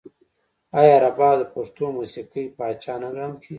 آیا رباب د پښتو موسیقۍ پاچا نه ګڼل کیږي؟